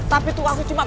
tapi tuh aku cuma pahit